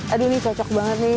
aduh ini cocok banget nih